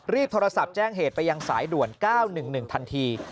โทรศัพท์แจ้งเหตุไปยังสายด่วน๙๑๑ทันที